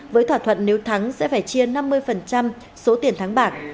với thỏa thuận nếu thắng sẽ phải chia năm mươi số tiền thắng bạc